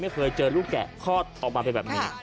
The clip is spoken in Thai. ไม่เคยเจอลูกแกะคลอดออกมาเป็นแบบนี้